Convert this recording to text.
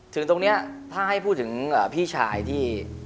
ถึงตรงนี้ถ้าให้พูดถึงพี่ชายที่